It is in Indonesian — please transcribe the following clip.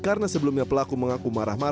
karena sebelumnya pelaku mengaku marah